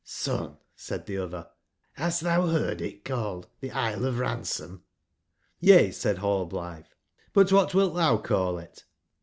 '''' Son/' said tbc otber, bast tbou beard it call ed tbe Isle of Ransom ?" ''^ca/' said nall blitbe, '' but wbat wilt tbou call it?"